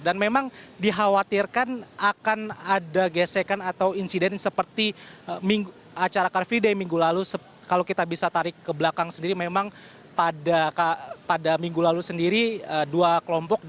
dan memang dikhawatirkan akan ada gesekan atau insiden seperti acara karvidei minggu lalu kalau kita bisa tarik ke belakang sendiri memang pada minggu lalu sendiri dua kelompok